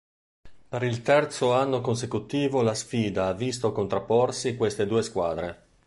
Per il terzo anno consecutivo la sfida ha visto contrapporsi queste due squadre.